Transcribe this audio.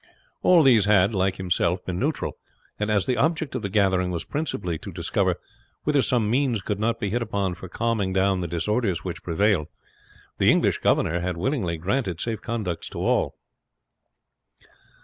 All these had, like himself, been neutral, and as the object of the gathering was principally to discover whether some means could not be hit upon for calming down the disorders which prevailed, the English governor had willingly granted safe conducts to all.